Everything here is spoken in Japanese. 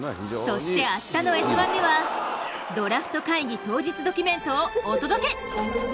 そして明日の「Ｓ☆１」ではドラフト会議当日ドキュメントをお届け。